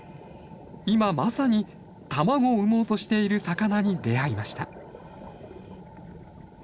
今まさに卵を産もうとしている魚に出会いました。